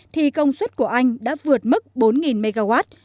thì công suất của anh đã vượt mức bốn mw